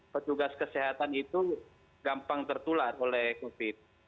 petugas kesehatan itu gampang tertular oleh covid